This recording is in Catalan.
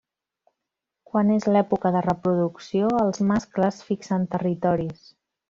Quan és l'època de reproducció, els mascles fixen territoris.